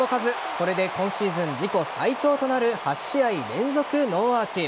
これで今シーズン自己最長となる８試合連続ノーアーチ。